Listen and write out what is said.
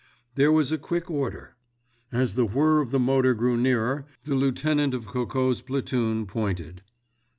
There was a quick order. As the whir of the motor grew nearer the lieutenant of Coco's platoon pointed.